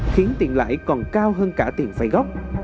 khiến tiền lãi còn cao hơn cả tiền vay gốc